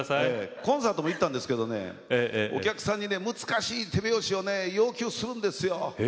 コンサートに行ったんですけれども、お客さんに難しい手拍子を要求するんですよ。